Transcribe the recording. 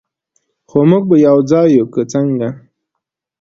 خو موږ به یو ځای یو، که څنګه؟